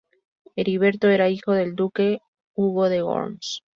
Heriberto era hijo del duque Hugo de Worms.